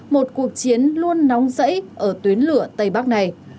một cuộc chiến luôn nóng rẫy ở tuyến lửa tây bắc này